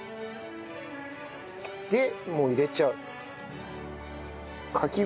でもう入れちゃう。